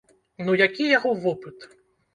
Ну які яго вопыт?!